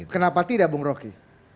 kenapa tidak bung roky